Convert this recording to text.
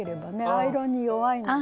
アイロンに弱いので。